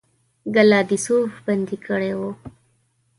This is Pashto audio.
ګلادسوف بندي کړی وو.